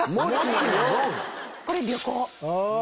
これ旅行。